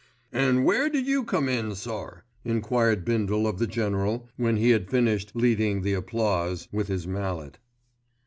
"An' where did you come in, sir?" enquired Bindle of the General, when he had finished "leading the applause" with his mallet.